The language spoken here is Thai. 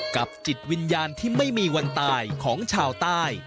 จิตวิญญาณที่ไม่มีวันตายของชาวใต้